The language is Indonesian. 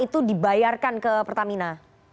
itu dibayarkan ke pertamina